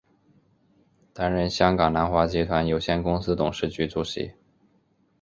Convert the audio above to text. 担任香港南华集团有限公司董事局主席。